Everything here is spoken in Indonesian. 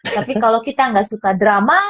tapi kalau kita nggak suka drama